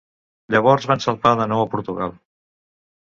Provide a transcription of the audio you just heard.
Llavors van salpar de nou a Portugal.